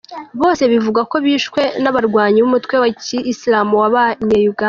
Bose bivugwa ko bishwe n’abarwanyi b’umutwe wa ki Islam w’abanye Uganda.